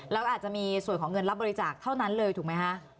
แล้วอาจจะมีส่วนของเงินรับบริจาคเท่านั้นเลยถูกไหมคะ